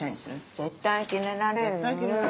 絶対キレられる。